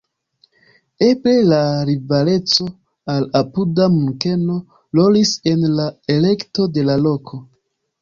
Eble la rivaleco al apuda Munkeno rolis en la elekto de la loko.